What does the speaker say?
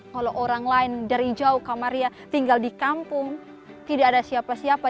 kalau orang lain dari jauh kamarnya tinggal di kampung tidak ada siapa siapa